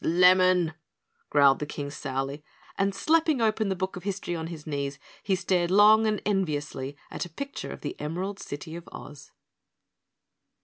"Lemon!" growled the King sourly, and slapping open the book of history on his knees, he stared long and enviously at a picture of the Emerald City of Oz.